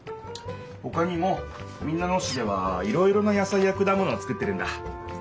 ほかにも民奈野市ではいろいろな野菜やくだものをつくってるんだ。